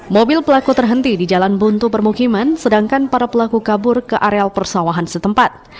mobil pelaku terhenti di jalan buntu permukiman sedangkan para pelaku kabur ke areal persawahan setempat